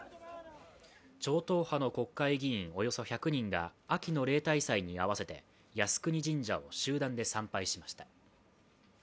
超党派の国会議員およそ１００人が秋の例大祭に合わせて靖国神社を集団で参拝しました。